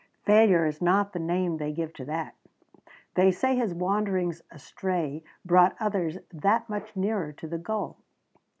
Failure is not the name they give to that. They say his wanderings astray brought others that much nearer to the goal.